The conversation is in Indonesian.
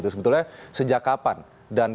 sebetulnya sejak tahun ini